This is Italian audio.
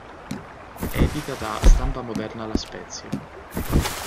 Edita da Stampa Moderna La Spezia.